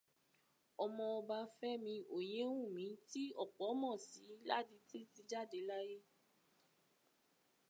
Ọmọba Fẹ́mi Oyéwùnmí tí ọ̀pọ̀ mọ̀ sí Ládití ti jáde láyé.